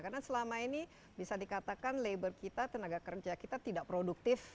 karena selama ini bisa dikatakan labor kita tenaga kerja kita tidak produktif